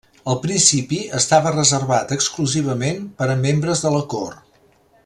Al principi estava reservat exclusivament per a membres de la cort.